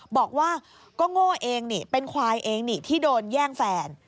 บอกว่าก็โง่เองนี่เป็นควายเองนี่ที่โดนแย่งแฟน